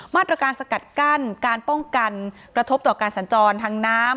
มาตรการสกัดกั้นการป้องกันกระทบต่อการสัญจรทางน้ำ